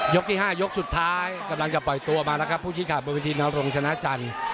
ที่๕ยกสุดท้ายกำลังจะปล่อยตัวมาแล้วครับผู้ชี้ขาดบนวิธีนรงชนะจันทร์